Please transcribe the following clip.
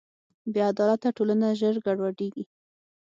بېعدالته ټولنه ژر ګډوډېږي.